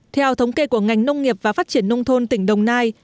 theo thống kê của ngành nông nghiệp và phát triển nông thôn tỉnh đồng nai